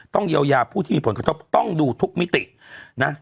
เยียวยาผู้ที่มีผลกระทบต้องดูทุกมิตินะ